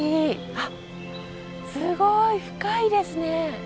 あっすごい深いですね。